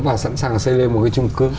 và sẵn sàng xây lên một cái trung cư